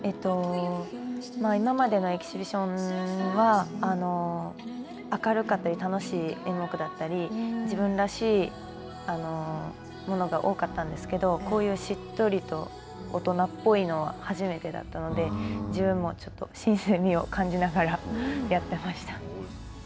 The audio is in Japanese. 今までのエキシビションは明るかったり楽しい演目だったり自分らしいものが多かったんですけどこういうしっとりと大人っぽいのは初めてだったので自分もちょっと新鮮味を感じながらやっていました。